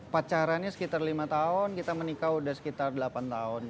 pacarannya sekitar lima tahun kita menikah sudah sekitar delapan tahun